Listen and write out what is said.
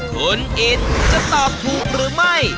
คุณอินจะตอบถูกหรือไม่